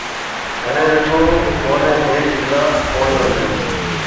هڻيَ رُگو مهنَي هيڪ گلاس پوڻِي رو ڏيو۔